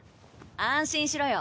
安心しろよ。